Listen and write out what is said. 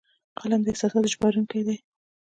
قلم د احساساتو ژباړونکی دی